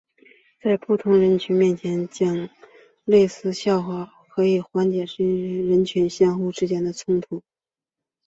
在不同人群面前讲这类笑话可以缓解这些人群互相之间的冲突。